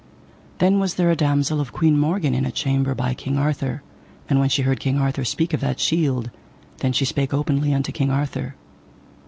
Then was there a damosel of Queen Morgan in a chamber by King Arthur, and when she heard King Arthur speak of that shield, then she spake openly unto King Arthur.